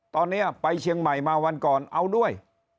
ตอนนี้ไปเชียงใหม่มาวันก่อนเอาด้วย